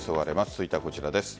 続いてはこちらです。